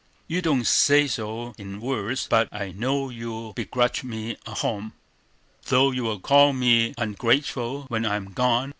You don't say so in words, but I know you begrudge me a home, though you will call me ungrateful when I'm gone.